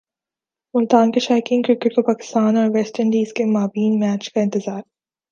ملتان کے شائقین کرکٹ کو پاکستان اور ویسٹ انڈیز کے مابین میچ کا انتظار